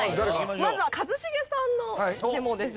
まずは一茂さんのメモです。